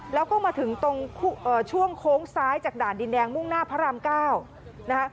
แล้วก็มาถึงตรงช่วงโค้งซ้ายจากด่านดินแดงมุ่งหน้าพระราม๙นะคะ